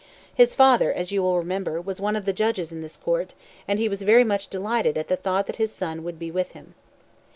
His father, as you will remember, was one of the judges in this court, and he was very much delighted at the thought that his son would be with him.